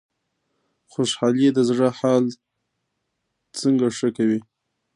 خوشحالي د زړه حال څنګه ښه کوي؟